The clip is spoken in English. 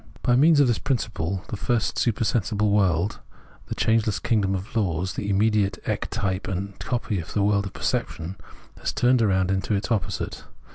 By means of this principle, the first supersensible world, the changeless kingdom of laws, the immediate ectype and copy of the world of perception, has turned round into its opposite.